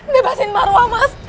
bebasin marwa mas